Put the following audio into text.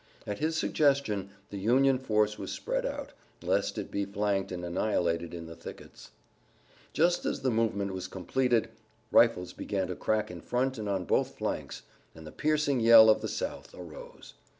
At his suggestion the Union force was spread out, lest it be flanked and annihilated in the thickets. Just as the movement was completed rifles began to crack in front and on both flanks, and the piercing yell of the South arose.